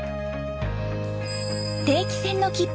定期船の切符